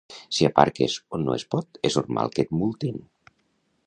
Si aparques on no es pot, és normal que et multin